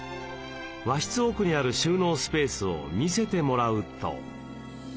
和室奥にある収納スペースを見せてもらうと。